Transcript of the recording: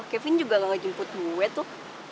kevin juga gak ngejemput gue tuh